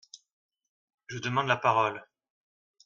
Je demande la parole…